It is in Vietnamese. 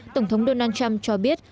tổng thống donald trump cho biết